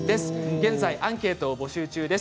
現在アンケートを募集中です。